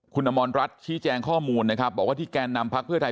คุณอมรรัฐชี้แจงข้อมูลนะครับบอกว่าที่แกนนำพักเพื่อไทย